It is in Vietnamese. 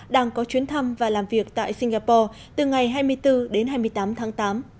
đang có chuyến thăm và làm việc tại singapore từ ngày hai mươi bốn đến hai mươi tám tháng tám